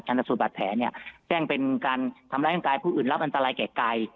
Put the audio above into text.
อันตรายสูตรบัตรแผลเนี้ยแจ้งเป็นการทำระยังไกลผู้อื่นรับอันตรายแก่ไกล